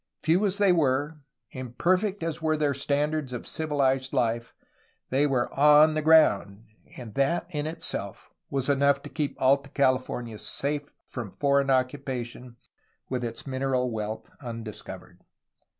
Few as they were, imperfect as were their standards of civilized life, they were on the ground, and that in itself was enough to keep Alta California safe from foreign occupation, with its mineral wealth undiscovered.